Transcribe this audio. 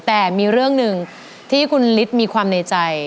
แต่มีเรื่องหนึ่งที่คุณฤทธิ์มีความในใจ